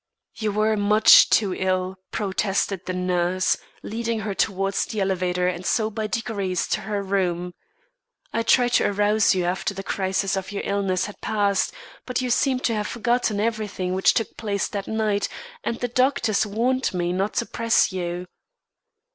"You were much too ill," protested the nurse, leading her towards the elevator and so by degrees to her room. "I tried to arouse you after the crisis of your illness had passed; but you seemed to have forgotten everything which took place that night and the doctors warned me not to press you."